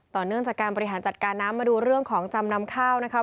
เนื่องจากการบริหารจัดการน้ำมาดูเรื่องของจำนำข้าวนะครับ